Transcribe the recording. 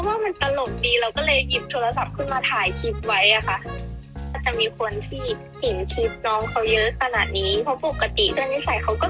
ใครที่เหมือนกับน้องคืนนี้นะคะ